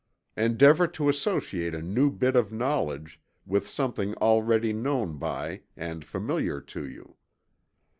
Endeavor to associate a new bit of knowledge with something already known by, and familiar to you.